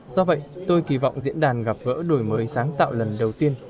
do vậy tôi kỳ vọng diễn đàn gặp gỡ đổi mới sáng tạo lần đầu tiên